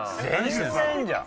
全然じゃん。